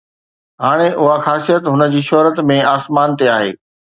هاڻي اها خاصيت هن جي شهرت ۾ آسمان تي آهي